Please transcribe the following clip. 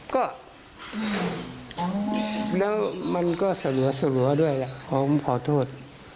ก็แล้วมันก็สะหรัวด้วยผมขอโทษ